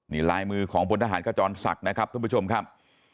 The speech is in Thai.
นี่ลายมือของพลทหารขจรศักดิ์นะครับท่านผู้ชมครับ